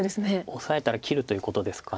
オサえたら切るということですか。